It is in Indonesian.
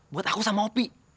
buat aku sama opi